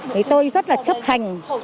thì tôi rất là chấp hành